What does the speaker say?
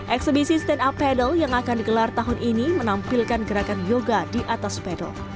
eksebisi stand up pedol yang akan digelar tahun ini menampilkan gerakan yoga di atas pedol